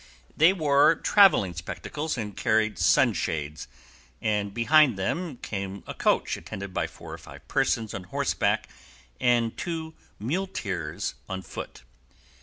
They wore travelling spectacles and carried sunshades; and behind them came a coach attended by four or five persons on horseback and two muleteers on foot.